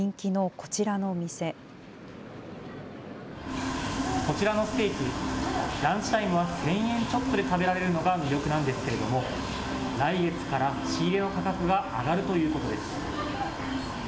こちらのステーキ、ランチタイムは１０００円ちょっとで食べられるのが魅力なんですけれども、来月から仕入れの価格が上がるということです。